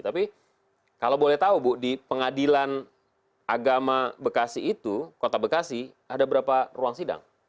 tapi kalau boleh tahu bu di pengadilan agama bekasi itu kota bekasi ada berapa ruang sidang